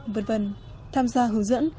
vân vân tham gia hướng dẫn